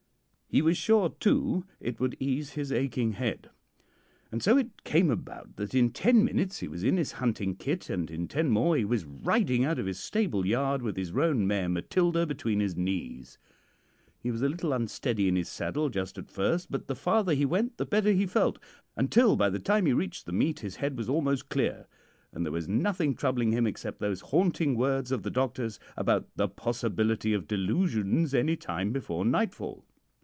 He was sure, too, it would ease his aching head. And so it came about that in ten minutes he was in his hunting kit, and in ten more he was riding out of his stable yard with his roan mare 'Matilda' between his knees. He was a little unsteady in his saddle just at first, but the farther he went the better he felt, until by the time he reached the meet his head was almost clear, and there was nothing troubling him except those haunting words of the doctor's about the possibility of delusions any time before nightfall.